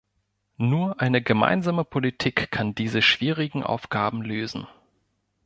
Nur eine gemeinsame Politik kann diese schwierigen Aufgaben lösen.